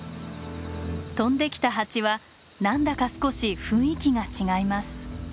飛んできたハチは何だか少し雰囲気が違います。